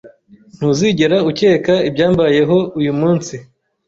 Ntuzigera ukeka ibyambayeho uyu munsi.